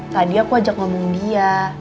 tadi aku ajak ngomong dia